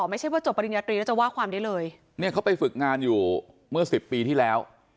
ไม่ใช่ว่าจบปริญญาตรีแล้วจะว่าความได้เลยเนี่ยเขาไปฝึกงานอยู่เมื่อสิบปีที่แล้ว